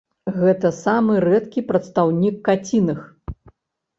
Гэта самы рэдкі прадстаўнік каціных.